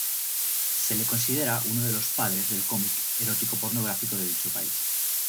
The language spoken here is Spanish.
Se le considera uno de los padres del cómic erótico-pornográfico de dicho país.